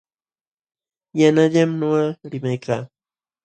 Yanqallam nuqa limaykaa.